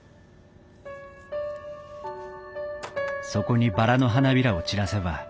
そこにバラの花びらを散らせば